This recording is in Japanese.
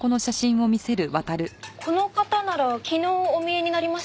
この方なら昨日お見えになりましたよ。